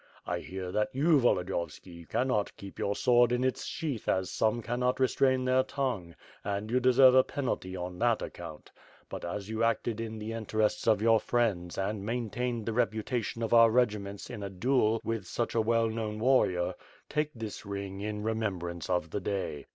I hear that you, Volodjyovski, cannot keep your sword in its sheath as some cannot restrain their tongue, and you deserve a penalty on that account; but, as you acted in the interests of your friends and maintained the reputation of our regiments in a duel with such a well known warrior, take this ring in re membrance of the day.